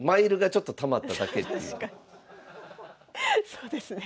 そうですね。